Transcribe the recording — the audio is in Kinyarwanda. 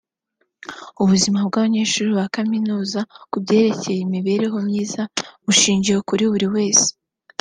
“Ubuzima bw’abanyeshuri ba kaminuza ku byerekeye imibereho myiza bushingiye kuri buruse